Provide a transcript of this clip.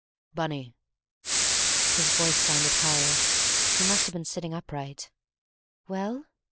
"Bunny!" His voice sounded higher. He must have been sitting upright. "Well?"